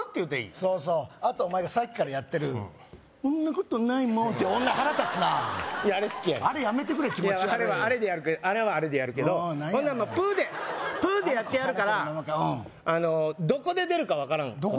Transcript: そうそうあとお前がさっきからやってる「そんなことないもん」って女腹立つないやあれ好きやねんあれやめてくれ気持ち悪いいやあれはあれでやるけど何やねんほんならプッでプッでやってやるからうんあのどこで出るか分からんことにする